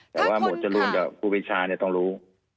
แต่ว่าหมดจรุนเดี๋ยวครูวิชาต้องรู้